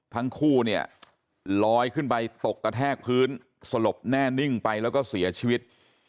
ทั้งคู่เนี่ยลอยขึ้นไปตกกระแทกพื้นสลบแน่นิ่งไปแล้วก็เสียชีวิต